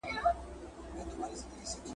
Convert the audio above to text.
د مېړه له بدرنګیه کړېدله !.